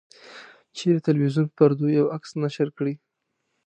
چې د تلویزیون په پرده یو عکس نشر کړي.